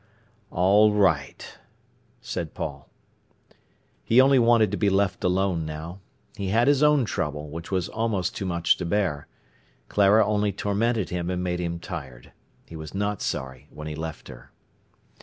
"All right," said Paul. He only wanted to be left alone now. He had his own trouble, which was almost too much to bear. Clara only tormented him and made him tired. He was not sorry when he left her.